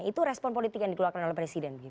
itu respon politik yang dikeluarkan oleh presiden